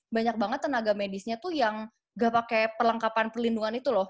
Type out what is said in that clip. banyak banget tenaga medisnya tuh yang gak pakai perlengkapan perlindungan itu loh